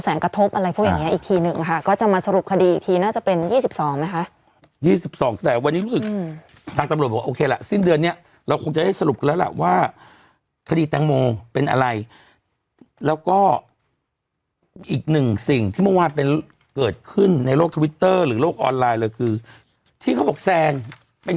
กระทบอะไรพวกอย่างเงี้อีกทีหนึ่งค่ะก็จะมาสรุปคดีอีกทีน่าจะเป็น๒๒ไหมคะ๒๒แต่วันนี้รู้สึกทางตำรวจบอกโอเคล่ะสิ้นเดือนเนี้ยเราคงจะได้สรุปแล้วล่ะว่าคดีแตงโมเป็นอะไรแล้วก็อีกหนึ่งสิ่งที่เมื่อวานเป็นเกิดขึ้นในโลกทวิตเตอร์หรือโลกออนไลน์เลยคือที่เขาบอกแซนเป็น